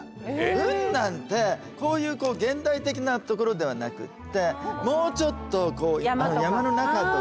雲南ってこういうこう現代的なところではなくってもうちょっとこう山の中とか。